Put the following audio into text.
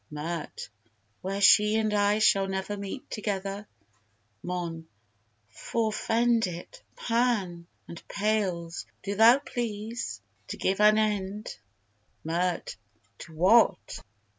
MIRT. Where she and I shall never meet together. MON. Fore fend it, Pan! and Pales, do thou please To give an end... MIRT. To what?